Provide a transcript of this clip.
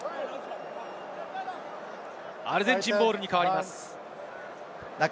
アルゼンチンボールに変わります。